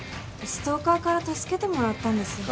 ストーカーから助けてもらったんです。